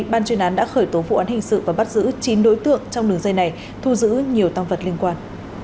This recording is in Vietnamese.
ban chuyên án đã khởi tố vụ án hình sự và bắt giữ chín đối tượng trong đường dây này thu giữ nhiều tăng vật liên quan